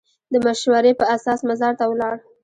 د مشورې په اساس مزار ته ولاړ.